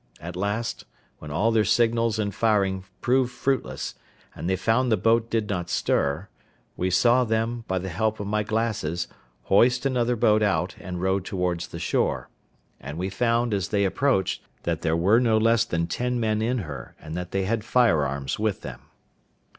At last, when all their signals and firing proved fruitless, and they found the boat did not stir, we saw them, by the help of my glasses, hoist another boat out and row towards the shore; and we found, as they approached, that there were no less than ten men in her, and that they had firearms with them.